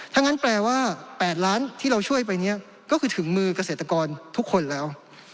ถ้างั้นแปลว่า๘ล้านที่เราช่วยไปเนี่ยก็คือถึงมือเกษตรกรทุกคนแล้ว